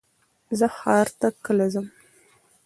زه ښار ته کله ځم؟